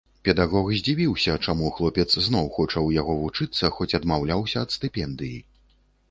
Педагог здзівіўся, чаму хлопец зноў хоча ў яго вучыцца, хоць адмаўляўся ад стыпендыі.